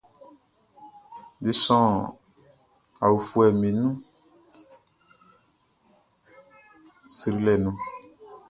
Be sɔ aofuɛʼm be nun srilɛ nun.